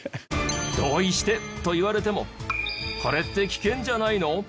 「同意して」と言われてもこれって危険じゃないの？